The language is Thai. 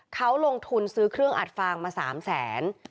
เขาลงทุนซื้อเครื่องอัดฟางมา๓แสน